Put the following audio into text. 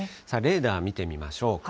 レーダー見てみましょう。